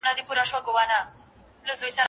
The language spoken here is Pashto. ایا څېړنه د علمي صداقت غوښتنه کوي؟